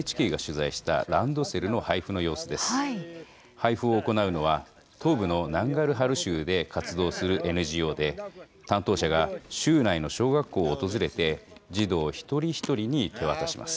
配布を行うのは東部のナンガルハル州で活動するＮＧＯで担当者が州内の小学校を訪れて児童一人一人に手渡します。